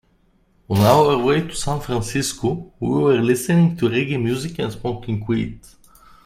On our way to San Francisco, we were listening to reggae music and smoking weed.